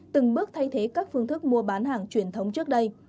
từng bước thay thế các phương thức mua bán hàng truyền thống trước đây